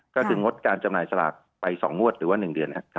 ก็คืองดการจำหน่ายสลากไป๒งวดหรือว่า๑เดือนครับ